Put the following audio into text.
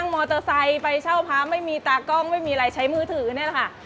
มอเตอร์ไซค์ไปเช่าพระไม่มีตากล้องไม่มีอะไรใช้มือถือนี่แหละค่ะ